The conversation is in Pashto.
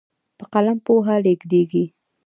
په قلم پوهه لیږدېږي.